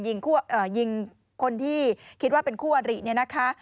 ยิงคนที่คิดว่าเป็นขู่อาหรี่